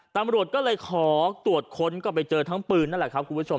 ตำรวจก็เลยขอตรวจค้นก็ไปเจอทั้งปืนนั่นแหละครับคุณผู้ชม